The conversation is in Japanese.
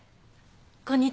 こんにちは。